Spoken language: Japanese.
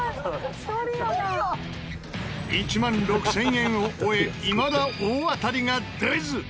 １万６０００円を終えいまだ大当たりが出ず。